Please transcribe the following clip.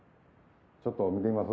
ちょっと見てみます？